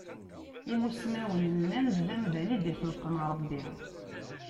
Imussnawen nnan-d d amdan i d-ixelqen Ṛebbi.